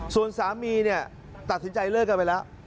ส่วนสามีเนี่ยตัดสินใจเลิกกันไปแล้ว